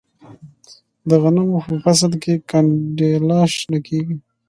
د غنمو په فصل کې گنډیاله شنه کیږي.